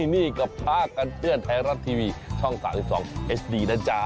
นี่กับผ้ากันเปื้อนไทยรัฐทีวีช่อง๓๒เอสดีนะจ๊ะ